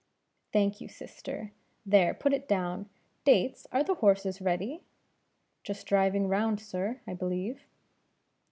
"Thank you, sister. There, put it down, Dates; are the horses ready?" "Just driving round, sir, I believe."